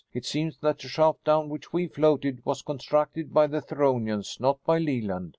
It seems that the shaft down which we floated was constructed by the Theronians; not by Leland.